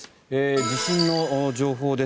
地震の情報です。